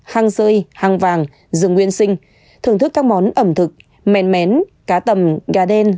hang rơi hang vàng rừng nguyên sinh thưởng thức các món ẩm thực men mén cá tầm gà đen